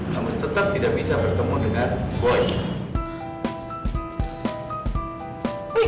namun tetap tidak bisa bertemu dengan boy